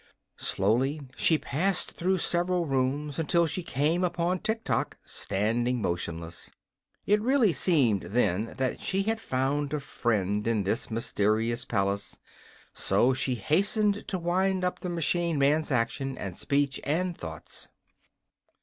Slowly she passed through several rooms until she came upon Tiktok, standing motionless. It really seemed, then, that she had found a friend in this mysterious palace, so she hastened to wind up the machine man's action and speech and thoughts.